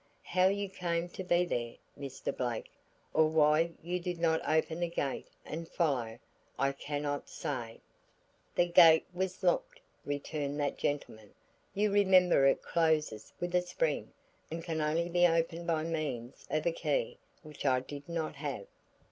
How you came to be there, Mr. Blake, or why you did not open the gate and follow, I cannot say." "The gate was locked," returned that gentleman. "You remember it closes with a spring, and can only be opened by means of a key which I did not have."